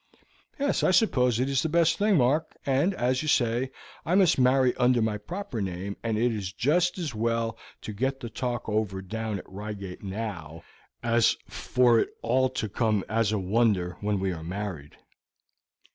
"Yes, I suppose it is the best thing, Mark, and, as you say, I must marry under my proper name, and it is just as well to get the talk over down at Reigate now, as for it all to come as a wonder when we are married."